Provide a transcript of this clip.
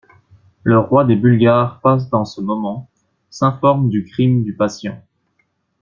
Le roi des Bulgares passe dans ce moment, s’informe du crime du patient.